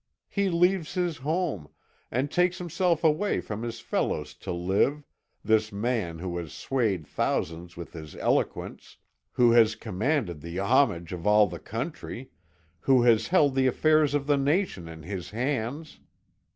He leaves his home, and takes himself away from his fellows to live this man who has swayed thousands with his eloquence, who has commanded the homage of all the country, who has held the affairs of the nation in his hands.